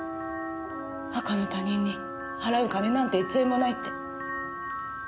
赤の他人に払う金なんて１円もないって。